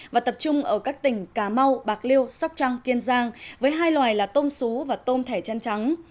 và tập trung ở các tỉnh cà mau bạc liêu sóc trăng kiên giang với hai loài là tôm xú và tôm thẻ chân trắng